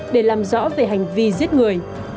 để làm rõ về hành vi giết người